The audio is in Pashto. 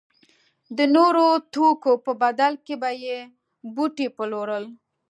د نورو توکو په بدل کې به یې بوټي پلورل.